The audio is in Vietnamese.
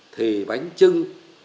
thì bánh chưng